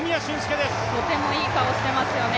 とてもいい顔をしていますよね。